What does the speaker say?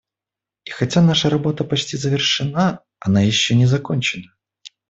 И хотя наша работа почти завершена, она еще не закончена.